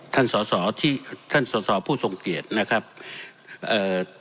สอสอที่ท่านสอสอผู้ทรงเกียรตินะครับเอ่อ